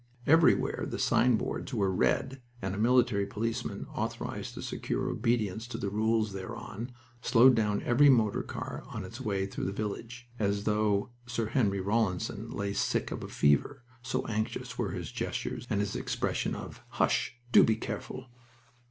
Everywhere the sign boards were red, and a military policeman, authorized to secure obedience to the rules thereon, slowed down every motor car on its way through the village, as though Sir Henry Rawlinson lay sick of a fever, so anxious were his gestures and his expression of "Hush! do be careful!"